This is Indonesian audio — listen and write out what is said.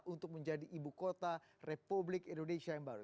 untuk menjadi ibu kota republik indonesia yang baru